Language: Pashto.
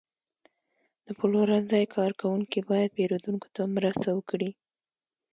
د پلورنځي کارکوونکي باید پیرودونکو ته مرسته وکړي.